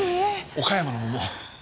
岡山の桃。